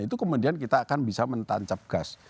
itu kemudian kita akan bisa mentancap gas